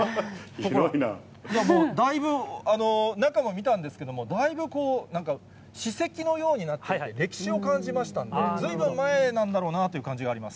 だいぶ中も見たんですけど、だいぶ、なんか史跡のようになっていて、歴史を感じましたんで、ずいぶん前なんだろうなという感じがあります。